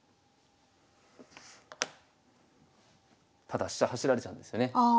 ただ飛車走られちゃうんですよね。